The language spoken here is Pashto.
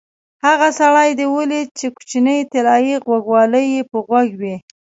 هغه سړی دې ولید چې کوچنۍ طلایي غوږوالۍ یې په غوږ وې؟